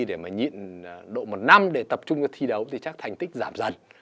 để mà nhịn độ một năm để tập trung vào thi đấu thì chắc thành tích giảm dần